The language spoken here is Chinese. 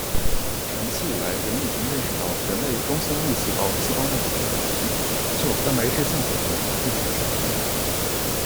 长期以来人们已经认识到人类中性粒细胞细胞内颗粒体具有蛋白质降解能力并可杀菌。